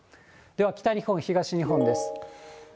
では北日本、東日本です。